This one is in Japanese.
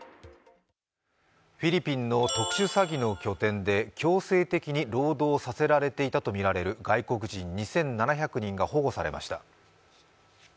フィリピンの特殊詐欺の拠点で、強制的に労働させられていたとみられる外国人２７００人が保護されました。